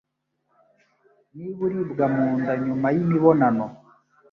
Niba uribwa mu nda nyuma y'imibonano